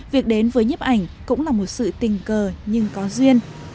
việc đến với nhiếp ảnh cũng là một sự tình cờ nhưng có duyên